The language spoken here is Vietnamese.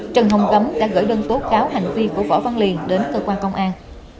tấm đã gửi đơn tố kháo hành vi của võ văn liền đến cơ quan công an